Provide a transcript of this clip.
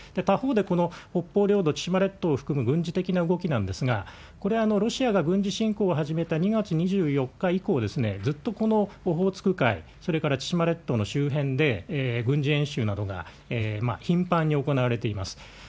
他方でこの北方領土、千島列島を含む軍事的な動きなんですが、これ、ロシアが軍事侵攻を始めた２月２４日以降、ずっとこのオホーツク海、それから千島列島の周辺で軍事演習などが頻繁に行われています。